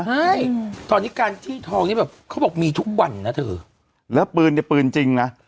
ใช่ตอนนี้การจี้ทองนี้แบบเขาบอกมีทุกวันนะเธอแล้วปืนเนี่ยปืนจริงนะ